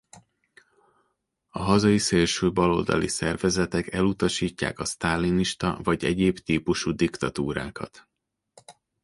A hazai szélsőbaloldali szervezetek elutasítják a sztálinista vagy egyéb típusú diktatúrákat.